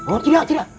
oh tidak tidak